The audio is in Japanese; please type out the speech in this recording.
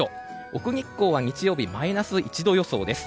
奥日光は日曜日、マイナス１度予想です。